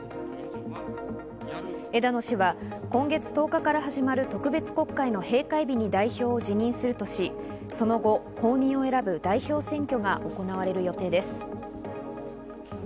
枝野氏は今月１０日から始まる特別国会の閉会日に代表を辞任するとし、その後、後任を選ぶ代表選挙が行われる予定です。